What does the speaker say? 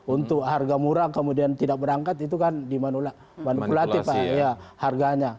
untuk harga murah kemudian tidak berangkat itu kan di manipulatif harganya